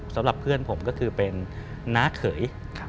สำหรับเพื่อนผมก็คือเป็นน้าเขย